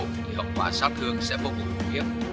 thì hậu quả sát thương sẽ vô cùng nguy hiểm